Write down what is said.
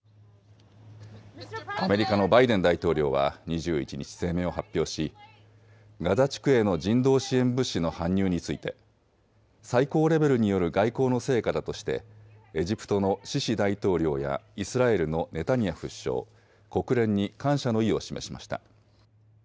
アメリカのバイデン大統領は２１日、声明を発表しガザ地区への人道支援物資の搬入について最高レベルによる外交の成果だとしてエジプトのシシ大統領やイスラエルのネタニヤフ首相、国連に感謝の意を示しました。